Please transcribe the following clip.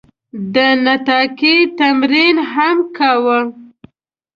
د نطاقي تمرین هم کاوه.